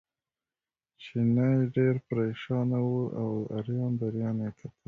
چیني ډېر پرېشانه و او اریان دریان یې کتل.